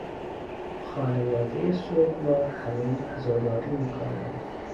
خانوادهی سوگوار هنوز عزاداری میکنند.